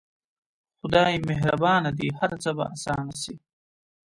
خداى مهربان دى هر څه به اسانه سي.